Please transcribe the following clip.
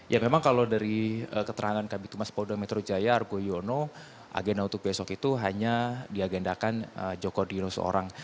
ya memang kalau dari keterangan kb tumas polda metro jaya argo yono agenda untuk besok itu hanya diagendakan joko dino seorang